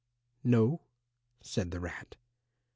"No," said the rat.